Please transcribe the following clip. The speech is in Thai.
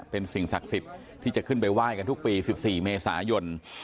เป็นสิ่งศักดิ์สิทธิ์ที่จะขึ้นไปไหว้กันทุกปี๑๔เมษายน